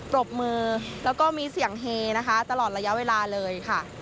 ปรบมือแล้วก็มีเสียงเฮนะคะตลอดระยะเวลาเลยค่ะ